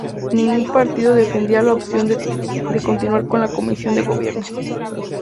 Ningún partido defendía la opción de continuar con la Comisión de Gobierno.